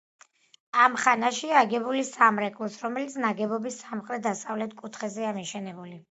ამ ხანაშია აგებული სამრეკლოც, რომელიც ნაგებობის სამხრეთ-დასავლეთ კუთხეზეა დაშენებული.